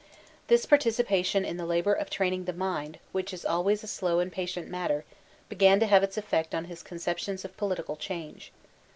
This participation in the labor of training the mind, which is always a slow and patient matter, began to have its effect on his conceptions of political chaise.